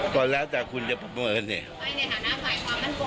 เรื่องการปักบุกที่สนับพิวชินฯค่ะ